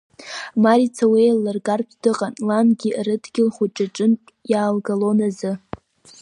Марица уи еиллыргартә дыҟан, лангьы рыдгьыл хәыҷы аҿынтә иаалгалон азы.